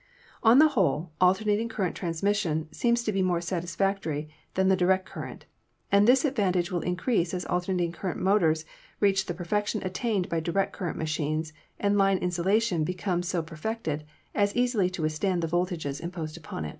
On the whole, alternating current transmissions seem to be more satisfactory than the direct current, and this advantage will increase as alternating current motors reach the perfection attained by direct current machines and line insulation becomes so perfected as easily to withstand the voltages imposed upon it.